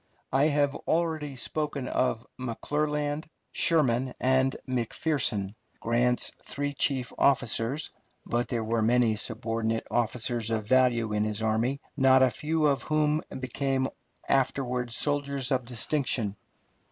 I have already spoken of McClernand, Sherman, and McPherson, Grant's three chief officers, but there were many subordinate officers of value in his army, not a few of whom became afterward soldiers of distinction.